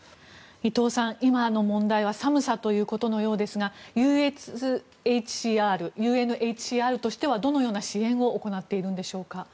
伊藤さん、今の問題は寒さということのようですがＵＮＨＣＲとしてはどのような支援を行っているんでしょうか。